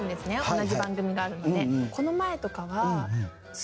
同じ番組があるので。